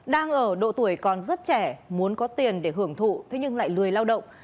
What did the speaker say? đang ở độ tuổi còn rất trẻ muốn có tiền để hưởng thụ thế nhưng lại lười lao động